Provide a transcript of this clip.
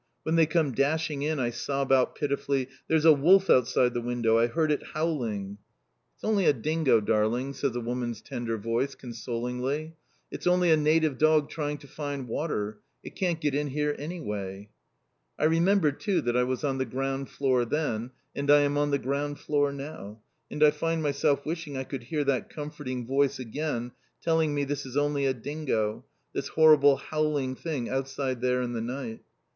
When they come dashing in I sob out pitifully. "There's a wolf outside the window, I heard it howling!" "It's only a dingo, darling!" says a woman's tender voice, consolingly. "It's only a native dog trying to find water! It can't get in here anyway." I remember too, that I was on the ground floor then, and I am on the ground floor now, and I find myself wishing I could hear that comforting voice again, telling me this is only a dingo, this horrible howling thing outside there in the night.